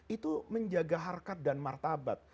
itu menjaga harkat dan martabat